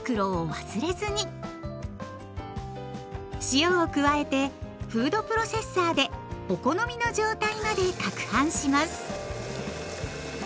塩を加えてフードプロセッサーでお好みの状態までかくはんします。